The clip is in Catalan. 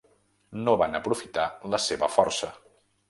No van aprofitar la seva força.